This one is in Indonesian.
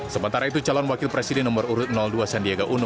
sementara itu calon wakil presiden no dua sandiaga uno